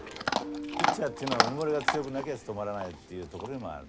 ピッチャーっていうのはうぬぼれが強くなきゃ務まらないっていうところもある。